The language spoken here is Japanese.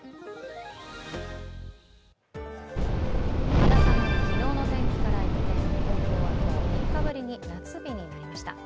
肌寒い昨日の天気から一転、東京は今日、３日ぶりに夏日になりました。